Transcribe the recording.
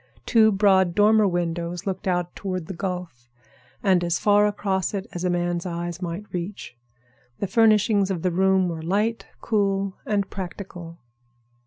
Two broad dormer windows looked out toward the Gulf, and as far across it as a man's eye might reach. The furnishings of the room were light, cool, and practical.